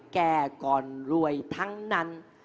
แก้ก่อนรวยทั้งนั้น